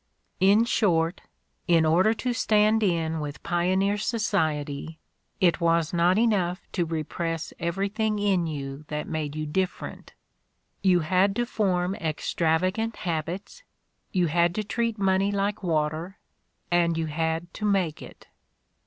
In short, in order to stand in with pioneer society, it was not enough to repress everything in you In the Crucible 79 that made you "different"; you had to form extrava gant habits, you had to treat money like water, and you had to make it!